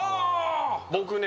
僕ね